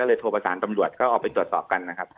ก็เลยโทรประสานกำล่วดก็เอาไปตรวจสอบกันนะครับ